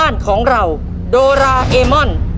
สวัสดีครับ